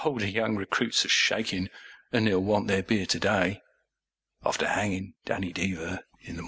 the young recruits are shakin', an' they'll want their beer to day, After hangin' Danny Deever in the mornin'.